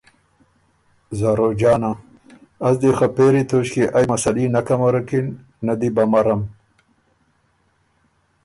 زاروجانه: از دی خه پېری توݭکيې ائ مسلي نۀ امرکِن، نۀ دی بو امرم۔